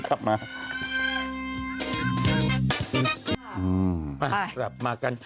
กลับมา